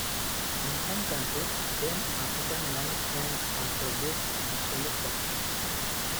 In some countries, giant African land snails are produced commercially for food.